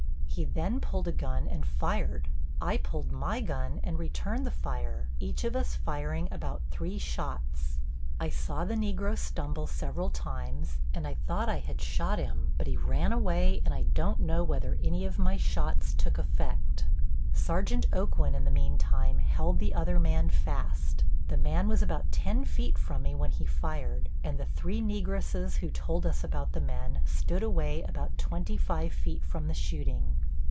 He then pulled a gun and fired. I pulled my gun and returned the fire, each of us firing about three shots. I saw the Negro stumble several times, and I thought I had shot him, but he ran away and I don't know whether any of my shots took effect. Sergeant Aucoin in the meantime held the other man fast. The man was about ten feet from me when he fired, and the three Negresses who told us about the men stood away about twenty five feet from the shooting.